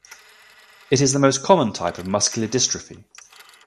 It is the most common type of muscular dystrophy.